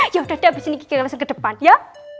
yaudah deh abis ini gigi langsung ke depan ya